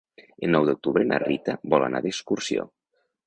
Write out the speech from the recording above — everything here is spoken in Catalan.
El nou d'octubre na Rita vol anar d'excursió.